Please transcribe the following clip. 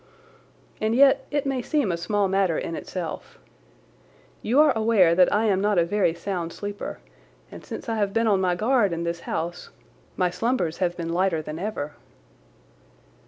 And yet it may seem a small matter in itself. You are aware that I am not a very sound sleeper, and since I have been on guard in this house my slumbers have been lighter than ever.